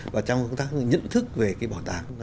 và trong công tác nhận thức về cái bảo tàng